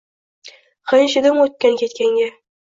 Gʻinshidim oʻtkan-ketganga